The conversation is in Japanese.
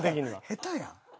下手やん。